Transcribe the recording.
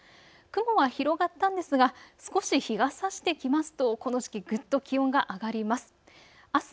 雲は広がったんですが少し日がさしてきますとこの時期ぐっと気温が上がります。